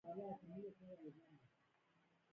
زه تل ښې خبري خوښوم.